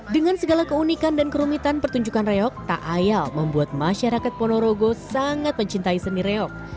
dengan segala keunikan dan kerumitan pertunjukan reok tak ayal membuat masyarakat ponorogo sangat mencintai seni reok